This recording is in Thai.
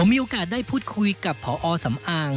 มีโอกาสได้พูดคุยกับพอสำอาง